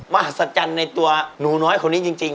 มหัศจรรย์ในตัวหนูน้อยคนนี้จริง